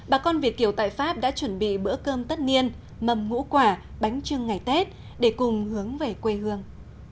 bà con việt kiều tại pháp đã chuẩn bị bữa cơm tất niên mầm ngũ quả bánh trưng ngày tết để cùng hướng về quê hương